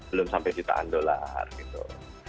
belum sampai jutaan dolar gitu